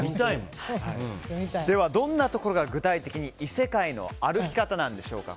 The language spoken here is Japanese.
では、どんなところが具体的に異世界の歩き方なんでしょうか。